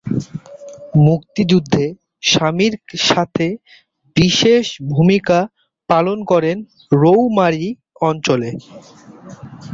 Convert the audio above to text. মুক্তিযুদ্ধে স্বামীর সাথে বিশেষ ভূমিকা পালন করেন রৌমারী অঞ্চলে।